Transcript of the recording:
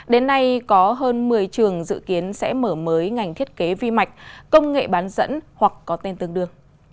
đến nay có hơn một mươi trường dự kiến sẽ mở mới ngành thiết kế vi mạch công nghệ bán dẫn hoặc có tên tương đương